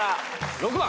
６番。